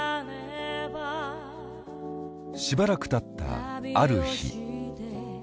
しばらくたったある日。